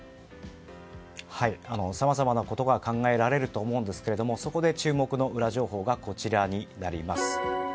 さまざまなことが考えられると思うんですがそこで注目のウラ情報がこちらになります。